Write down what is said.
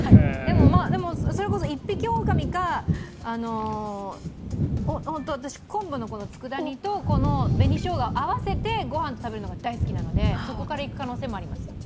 それこそ一匹おおかみか、昆布のつくだ煮とこの紅しょうがを合わせてご飯と食べるのが大好きなのでそこからいく可能性もあります。